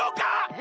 え？